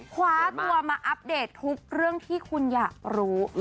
คว้าตัวมาอัปเดตทุกเรื่องที่คุณอยากรู้